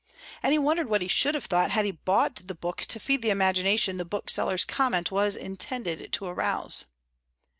And he wondered what he should have thought had he bought the book to feed the imagination the bookseller's comment was intended to arouse.